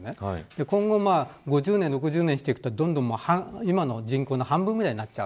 今後５０年、６０年していくと今の人口の半分ぐらいになっちゃう。